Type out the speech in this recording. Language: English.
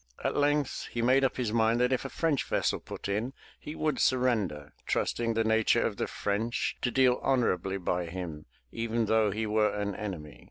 At length he made up his mind that if a French vessel put in he would surrender, trusting the nature of the French to deal honorably by him even though he were an enemy.